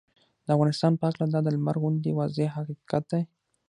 د افغانستان په هکله دا د لمر غوندې واضحه حقیقت دی